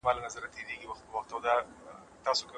څېړونکی د دې ژوند لاملونه لټوي.